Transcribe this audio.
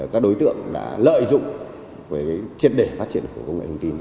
các đối tượng đã lợi dụng với chiến đề phát triển của công nghệ hình tin